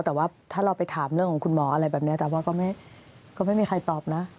ถ้าเราไปถามเรื่องของคุณหมออะไรแบบนี้ก็ไม่มีใครตอบนะ